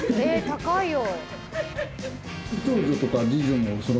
高いよ。